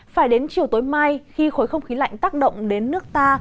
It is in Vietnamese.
phải đến chiều tối mai khi khối không khí lạnh tác động đến nước ta